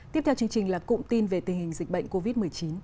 tiếp theo chương trình là cụm tin về tình hình dịch bệnh covid một mươi chín